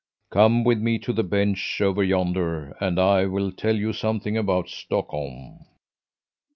Come with me to the bench over yonder and I will tell you something about Stockholm."